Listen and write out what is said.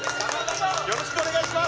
よろしくお願いします！